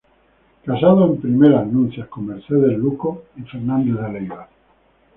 Casado en primeras nupcias con Mercedes Luco y Fernández de Leiva.